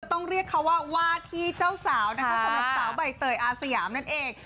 ต้องเรียกเขาว่าว่าที่เจ้าสาวนะคะสำหรับสาวใบเตยอาสยามนั่นเอง